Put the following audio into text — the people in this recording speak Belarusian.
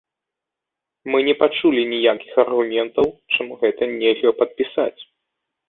Мы не пачулі ніякіх аргументаў, чаму гэта нельга падпісаць.